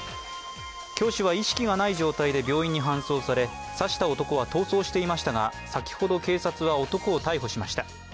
教師は意識がない状態で病院に搬送され刺した男は逃走していましたが先ほど警察は男を逮捕しました。